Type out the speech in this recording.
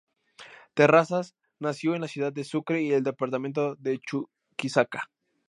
Terrazas nació en la ciudad de Sucre el Departamento de Chuquisaca.